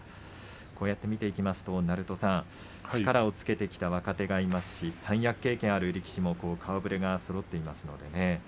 こうやって見ていきますと力をつけてきた若手がいますし三役経験がある力士も顔ぶれがそろっていますね。